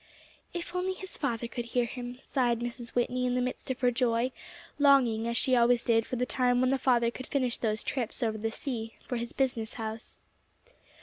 "If only his father could hear him!" sighed Mrs. Whitney in the midst of her joy, longing as she always did for the time when the father could finish those trips over the sea, for his business house.